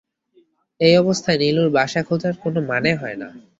এই অবস্থায় নীলুর বাসা খোঁজার কোনো মানে হয় না।